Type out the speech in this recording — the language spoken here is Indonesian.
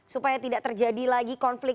supaya tidak terjadi lagi konflik